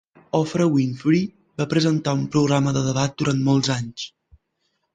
Oprah Winfrey va presentar un programa de debat durant molts anys.